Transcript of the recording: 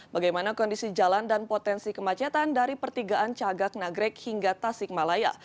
bagaimana kondisi jalan dan potensi kemacetan dari pertigaan cagak nagrek hingga tasik malaya